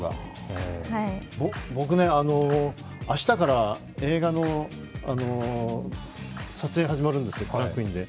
僕、明日から映画の撮影が始まるんですよ、クランクインで。